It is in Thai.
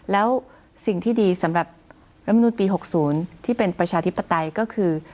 แล้วสิ่งที่ดีสำหรับรัฐมนุนปี๖๐ที่เป็นประชาธิปไตยก็คือ